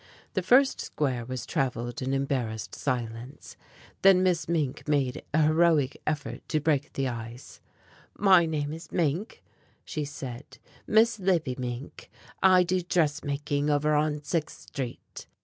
The first square was traveled in embarrassed silence, then Miss Mink made a heroic effort to break the ice: "My name is Mink," she said, "Miss Libby Mink. I do dress making over on Sixth Street."